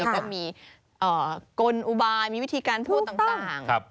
แล้วก็มีกลุ่มอุบายมีวิธีการพูดต่าง